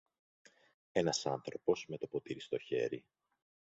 Ένας άνθρωπος, με το ποτήρι στο χέρι